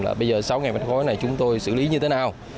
là bây giờ sáu m ba này chúng tôi xử lý như thế nào